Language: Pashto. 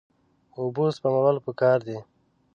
اوبه سپمول پکار دي.